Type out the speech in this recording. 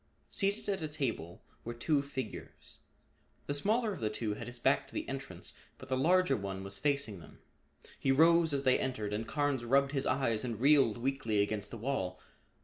Seated at a table were two figures. The smaller of the two had his back to the entrance but the larger one was facing them. He rose as they entered and Carnes rubbed his eyes and reeled weakly against the wall.